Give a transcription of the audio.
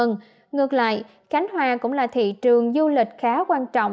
ngược lại cánh hoa cũng là thị trường du lịch khá quan trọng